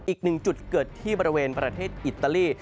อีก๑จุดเกิดที่ประเทศอิตาลี